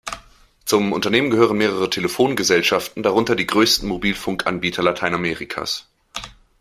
Zum Unternehmen gehören mehrere Telefongesellschaften, darunter die größten Mobilfunkanbieter Lateinamerikas.